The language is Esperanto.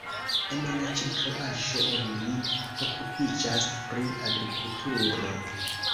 En la ĉirkaŭaĵo oni okupiĝas pri agrikulturo.